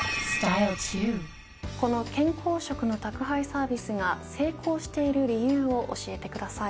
この健康食の宅配サービスが成功している理由を教えてください。